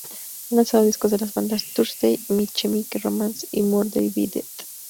Ha lanzado discos de las bandas Thursday, My Chemical Romance y Murder by Death.